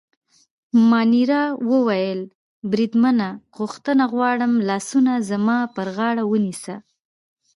مانیرا وویل: بریدمنه، بخښنه غواړم، لاسونه زما پر غاړه ونیسه.